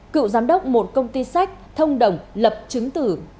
cựu giám đốc một công ty sách thông đồng lập chứng tử